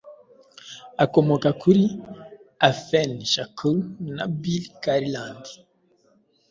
Akomoka kuri , Afeni Shakur na Billy Garland.